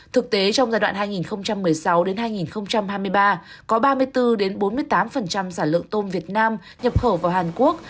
thực tế trong giai đoạn hai nghìn một mươi sáu hai nghìn hai mươi ba có ba mươi bốn bốn mươi tám sản lượng tôm việt nam nhập khẩu vào hàn quốc